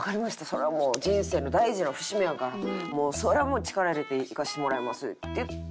そりゃもう人生の大事な節目やからそりゃもう力入れて行かせてもらいます」って言って。